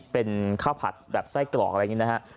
เป็นข้าวผัดแบบไส้กรอกอะไรอย่างนี้นะฮะ